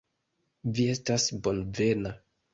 Vi estas bonvena.